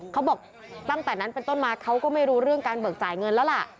เขาบอกตั้งแต่นั้นเป็นต้นมาเขาก็ไม่รู้เรื่องการเบิกจ่ายเงินแล้วล่ะ